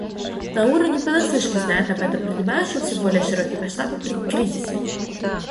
Науру не понаслышке знает об этом принимающем все более широкие масштабы кризисе.